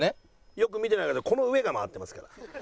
よく見てこの上が回ってますから。